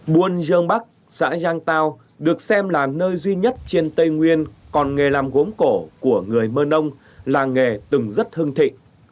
buôn dương bắc xã giang tao được xem là nơi duy nhất trên tây nguyên còn nghề làm gốm cổ của người mơ nông là nghề từng rất hưng thịnh